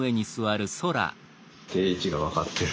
定位置が分かってる。